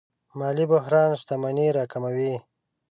مالي بحران شتمني راکموي.